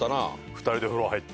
２人で風呂入って。